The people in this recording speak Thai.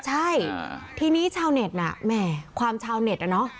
ใช่ทีนี้ชาวเน็ตน่ะแหมความชาวเน็ตอ่ะเนอะ